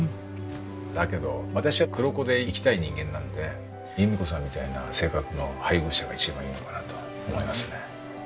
だけど私は黒子でいきたい人間なので由美子さんみたいな性格の配偶者が一番いいのかなと思いますね。